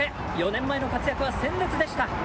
４年前の活躍は鮮烈でした。